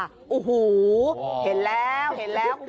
โอ้โหเห็นแล้วเห็นแล้ว